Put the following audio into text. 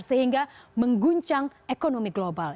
sehingga mengguncang ekonomi global